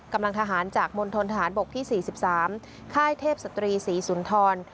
กำลังทหารจากมณฑนทหารบกที่๔๓ค่ายเทพศตรีศรีสุนทร